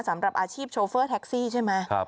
สำหรับอาชีพโชเฟอร์แท็กซี่ใช่ไหม